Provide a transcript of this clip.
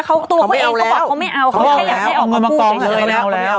เขาตัวเขาเองก็บอกเขาไม่เอาเขาแค่อยากได้ออกมาพูดเลยนะเขาไม่เอาแล้ว